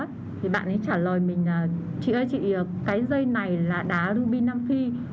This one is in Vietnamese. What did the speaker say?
thì bạn ý trả lời mình là chị ơi chị cái dây này là đá ruby nam phi